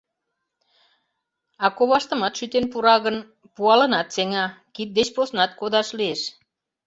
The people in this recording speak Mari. А коваштымат шӱтен пура гын, пуалынат сеҥа, кид деч поснат кодаш лиеш.